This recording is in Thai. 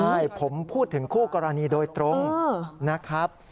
ใช่ผมพูดถึงคู่กรณีโดยตรงนะครับ